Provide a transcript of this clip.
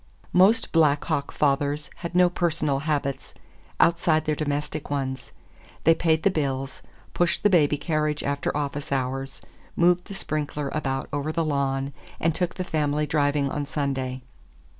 Most Black Hawk fathers had no personal habits outside their domestic ones; they paid the bills, pushed the baby carriage after office hours, moved the sprinkler about over the lawn, and took the family driving on Sunday.